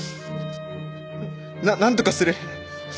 ななんとかする！